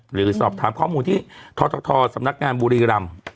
หรือสอบถามข้อมูลที่ททสำนักงานบุรีรำ